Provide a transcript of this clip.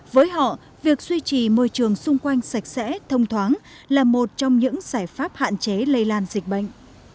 với họ việc duy trì môi trường xung quanh sạch sẽ thông thoáng là một trong những giải pháp hạn chế lây lan dịch bệnh